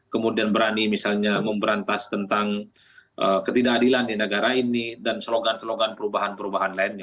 kemudian berani misalnya memberantas tentang ketidakadilan di negara ini dan slogan slogan perubahan perubahan lainnya